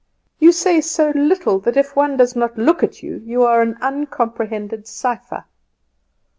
You say so little that if one does not look at you you are an uncomprehended cipher."